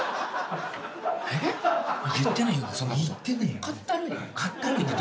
言ってないよね？